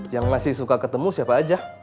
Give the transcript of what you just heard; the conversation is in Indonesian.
yang masih suka ketemu siapa aja